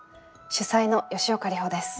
主宰の吉岡里帆です。